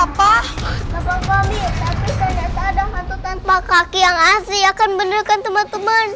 bapak pami tapi ternyata ada hantu tanpa kaki yang asli ya kan bener kan temen temen